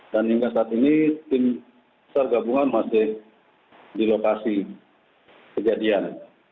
dan hingga saat ini tim besar gabungan masih di lokasi kejadian